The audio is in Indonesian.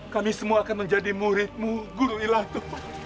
kami semua akan menjadi muridmu guru ilato